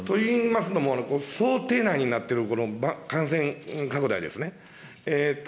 といいますのも、想定内になってる、この感染拡大ですね。